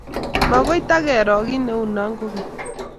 makoi takeroo kyi neunoo kokeny